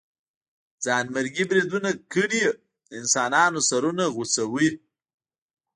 ځانمرګي بريدونه کړئ د انسانانو سرونه غوڅوئ.